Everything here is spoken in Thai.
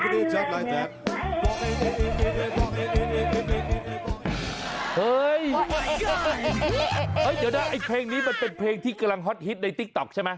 เดี๋ยวนะไอ้เพลงนี้มันเป็นเพลงที่กำลังฮอตฮิตในติ๊กต๊อกใช่ไหม